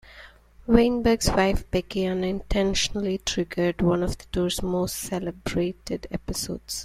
Weinberg's wife Becky unintentionally triggered one of the tour's most celebrated episodes.